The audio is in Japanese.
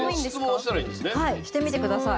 はい、してみてください。